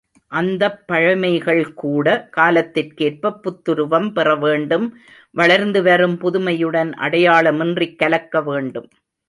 அந்தப்பழைமைகள் கூட காலத்திற்கேற்பப் புத்துருவம் பெறவேண்டும் வளர்ந்து வரும் புதுமையுடன் அடையாளமின்றிக் கலக்க வேண்டும்.